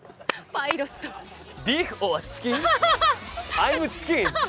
アイムアチキン。